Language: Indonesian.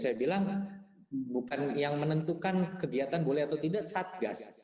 saya bilang bukan yang menentukan kegiatan boleh atau tidak satgas